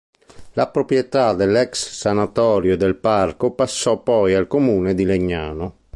La proprietà dell'ex sanatorio e del parco passò poi al comune di Legnano.